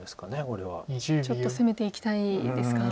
ちょっと攻めていきたいですか。